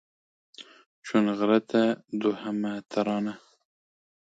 چونغرته دوهمه ترانه